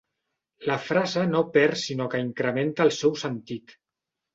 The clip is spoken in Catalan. La frase no perd sinó que incrementa el seu sentit.